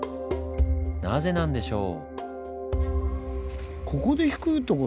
なぜなんでしょう？